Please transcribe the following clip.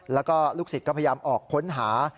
แล้วก็ลูกศิษย์ก็พยายามออกค้นหา